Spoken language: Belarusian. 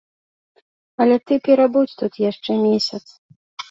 Але ты перабудзь тут яшчэ месяц.